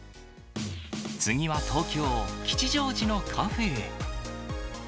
次は東京・吉祥寺のカフェへ。